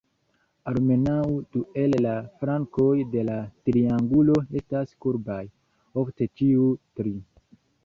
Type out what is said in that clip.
Almenaŭ du el la flankoj de la triangulo estas kurbaj; ofte ĉiuj tri.